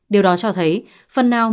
điều đó cho thấy phần nào